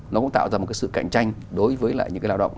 nó cũng tạo ra một sự cạnh tranh đối với lại những lao động